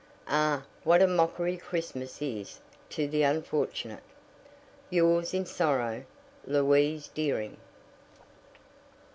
"Ah, what a mockery Christmas is to the unfortunate! "Yours, in sorrow, "LOUISE DEARING."